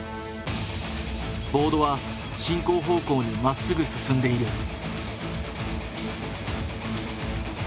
ボードは進行方向にまっすぐ進んでいる。